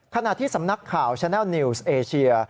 ขณะที่สำนักข่าวแชนัลนิวส์เอเชีย